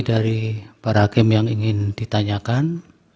dari para hakim yang ingin ditanyakan